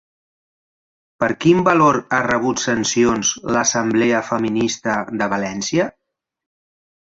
Per quin valor ha rebut sancions l'Assemblea Feminista de València?